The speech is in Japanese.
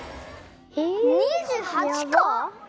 ２８個？